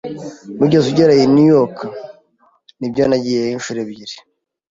"Wigeze ugera i New York?" "Nibyo, nagiyeyo inshuro ebyiri."